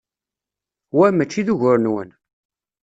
Wa mačči d ugur-nwen.